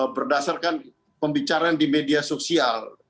berdasarkan pembicaraan di media sosial